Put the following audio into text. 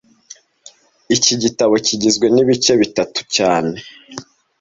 Iki gitabo kigizwe n'ibice bitatu cyane